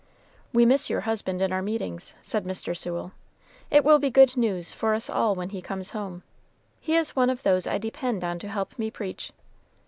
"We miss your husband in our meetings," said Mr. Sewell; "it will be good news for us all when he comes home; he is one of those I depend on to help me preach."